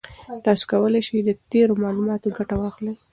تاسي کولای شئ له تېرو معلوماتو ګټه واخلئ.